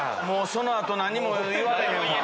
その後何も言われへんわ。